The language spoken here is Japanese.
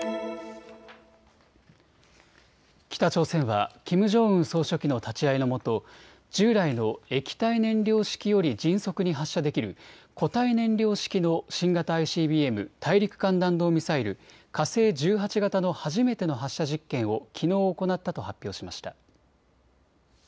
北朝鮮はキム・ジョンウン総書記の立ち会いのもと、従来の液体燃料式より迅速に発射できる固体燃料式の新型ＩＣＢＭ・大陸間弾道ミサイル、火星１８型の初めての発射実験をきのう行ったと発表しました。